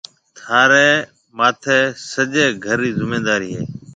ٿاريَ ماٿي سجيَ گهر رِي زميندارِي هيَ۔